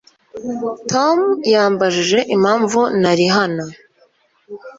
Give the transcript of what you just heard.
Tom yambajije impamvu nari hano